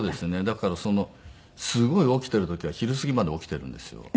だからすごい起きている時は昼過ぎまで起きているんですよ。